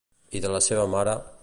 I de la seva mare?